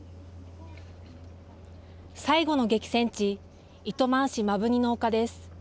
最後の激戦地、糸満市摩文仁の丘です。